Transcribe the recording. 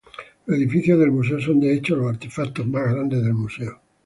Los edificios del museo son de hecho los artefactos más grandes del museo.